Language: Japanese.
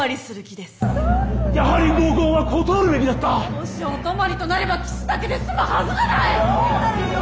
もしお泊まりとなればキスだけで済むはずがない！